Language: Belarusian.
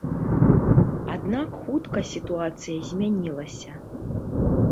Аднак хутка сітуацыя змянілася.